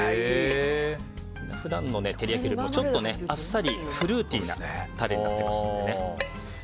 普段の照り焼きよりもちょっとあっさりフルーティーなタレになっていますので。